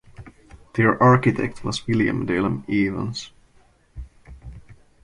Their architect was William Delme-Evans.